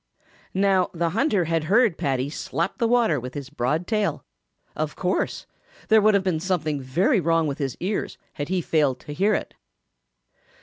Now the hunter had heard Paddy slap the water with his broad tail. Of course. There would have been something very wrong with his ears had he failed to hear it.